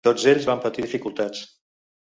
Tots ells van patir dificultats.